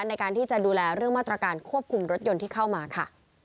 ในการที่จะดูแลเรื่องมาตรการควบคุมรถยนต์ที่เข้ามาค่ะ